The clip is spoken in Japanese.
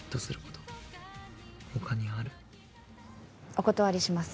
お断りします。